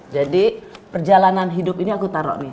jadi perjalanan hidup ini aku taruh nih